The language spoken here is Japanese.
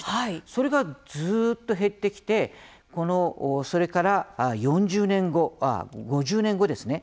それが、ずっと減ってきてそれから５０年後ですね